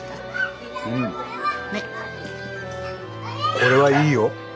これはいいよ。